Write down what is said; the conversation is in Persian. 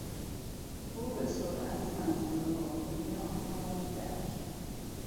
او به سرعت منظور واقعی آنها را درک کرد.